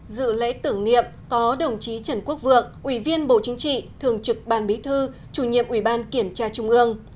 dự lễ tưởng niệm có đồng chí trần quốc vượng ủy viên bộ chính trị thường trực ban bí thư chủ nhiệm ủy ban kiểm tra trung ương